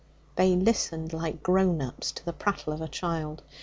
They listened like grown ups to the prattle of a child.